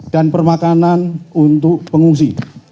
dan permakanan untuk pengungsi